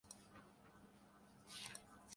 وہ دانشمندانہ کام کرنے کی صلاحیت کم رکھتی ہیں